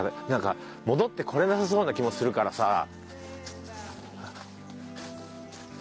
なんか戻って来れなさそうな気もするからさ。